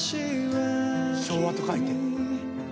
昭和と書いて。